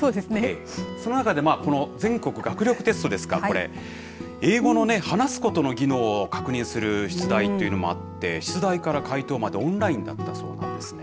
その中でこの全国学力テストですが英語のね話すことの技能を確認する出題というのもあって出題から回答までオンラインだったそうなんですね。